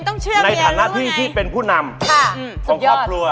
ในฐานะที่ที่เป็นผู้นำของครอบครัว